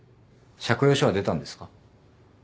借用書は出たんですか？